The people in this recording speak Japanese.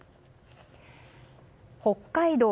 北海道